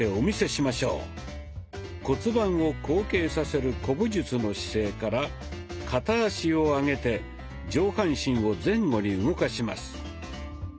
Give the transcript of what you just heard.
骨盤を後傾させる古武術の姿勢から片足を上げて上半身を前後に動かします。